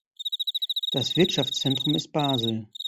Das Wirtschaftszentrum ist Basel.